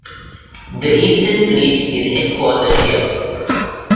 The Eastern Fleet is headquartered here.